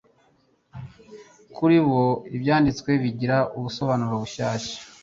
Kuri bo Ibyanditswe byera bigira ubusobanuro bushyashya.